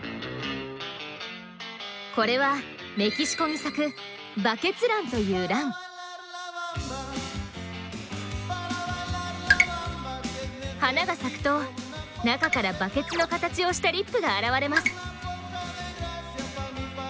これはメキシコに咲く花が咲くと中からバケツの形をしたリップが現れます。